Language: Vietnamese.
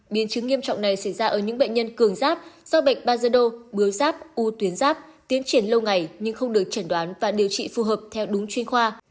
biến chứng nghiêm trọng này xảy ra ở những bệnh nhân cường giáp do bệnh bajedo bứa giáp u tuyến giáp tiến triển lâu ngày nhưng không được chẩn đoán và điều trị phù hợp theo đúng chuyên khoa